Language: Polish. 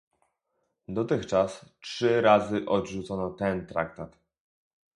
Dotychczas trzy razy odrzucono ten Traktat